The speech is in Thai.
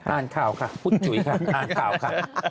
อ่านข่าวว่ะครับพุตจุ๊ยว่ะครับ